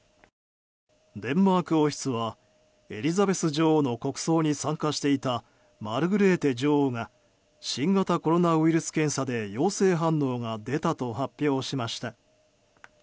デンマーク王室はエリザベス女王の国葬に参加していたマルグレーテ女王が新型コロナウイルス検査で陽性反応が出たと発表しました。